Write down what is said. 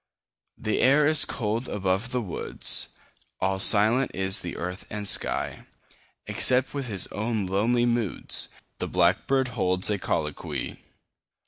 The air is cold above the woods; 5 All silent is the earth and sky, Except with his own lonely moods The blackbird holds a colloquy.